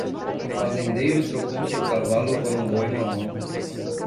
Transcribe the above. O fazendeiro trocou seu cavalo por um boi marrom.